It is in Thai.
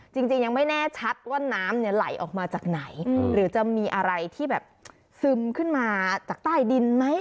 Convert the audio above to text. จริงยังไม่แน่ชัดว่าน้ำเนี่ยไหลออกมาจากไหนหรือจะมีอะไรที่แบบซึมขึ้นมาจากใต้ดินไหม